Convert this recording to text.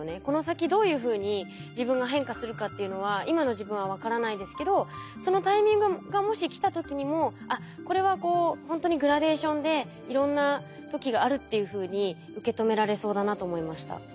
この先どういうふうに自分が変化するかっていうのは今の自分は分からないですけどそのタイミングがもし来た時にもあっこれはこうほんとにグラデーションでいろんな時があるっていうふうに受け止められそうだなと思いました。